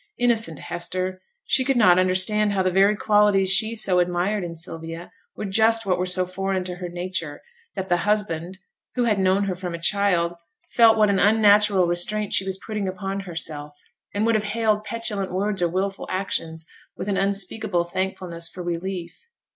Innocent Hester! she could not understand how the very qualities she so admired in Sylvia were just what were so foreign to her nature that the husband, who had known her from a child, felt what an unnatural restraint she was putting upon herself, and would have hailed petulant words or wilful actions with an unspeakable thankfulness for relief.